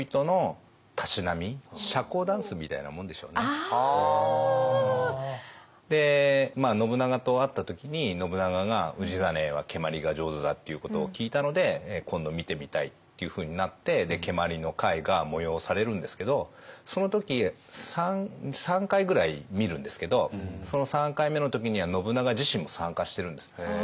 だからもう何ですかね信長と会った時に信長が氏真は蹴鞠が上手だっていうことを聞いたので今度見てみたいっていうふうになって蹴鞠の会が催されるんですけどその時３回ぐらい見るんですけどその３回目の時には信長自身も参加してるんですね。